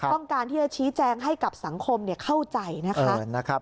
ต้องการที่จะชี้แจงให้กับสังคมเข้าใจนะคะ